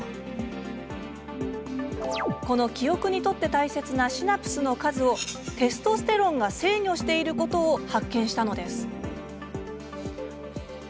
この記憶にとって大切なシナプスの数をテストステロンが制御していることを発見したのです。